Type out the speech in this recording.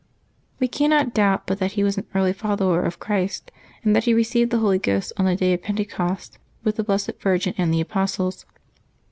We cannot doubt but that he was an early fol lower of Christ, and that he received the Holy Ghost on the day of Pentecost, with the Blessed Virgin and the apostles.